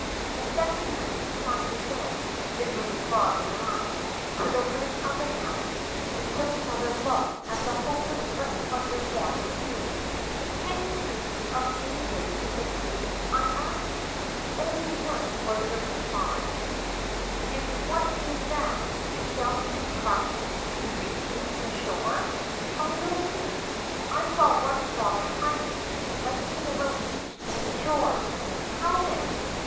The second night we climbed again, the green frog and I, to the rim of the nest, and took another look at the hopeless but splendid water view. ^ Can you think of any way of escape ?' I asked. ^ Only one,' was the reply. ^ And what is that, to jump and trust to reach ing the shore ?'^ By no means ; I saw one frog try it, but he never reached any shore.' ' How then